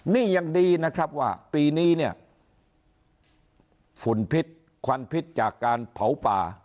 นี่ยังดีนะครับว่าปีนี้เนี่ยฝุ่นพิษควันพิษจากการเผาป่า